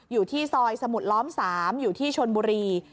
อยู่ที่ซอยสมุดล้อม๓อยู่ที่ชนบุรี